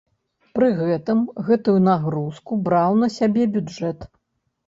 Пры гэтым гэтую нагрузку браў на сябе бюджэт.